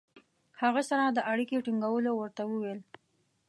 هغه سره د اړیکې ټینګولو ورته وویل.